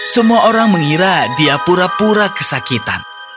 semua orang mengira dia pura pura kesakitan